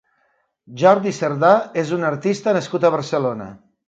Jordi Cerdà és un artista nascut a Barcelona.